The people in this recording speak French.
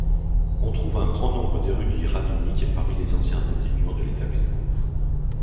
On trouve un grand nombre d'érudits rabbiniques parmi les anciens étudiants de l'établissement.